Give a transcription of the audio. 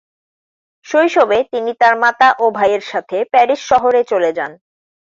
শৈশবে তিনি তার মাতা ও ভাইয়ের সাথে প্যারিস শহরে চলে যান।